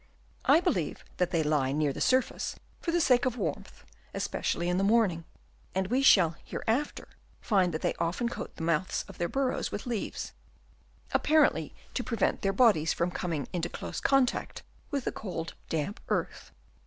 I believe that they lie near the surface for the sake of warmth, es pecially in the morning ; and we shall here after find that they often coat the mouths of their burrows with leaves, apparently to prevent their bodies from coming into close contact with the cold damp earth.